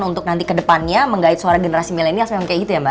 untuk nanti ke depannya mengait suara generasi milenial memang kayak gitu ya mbak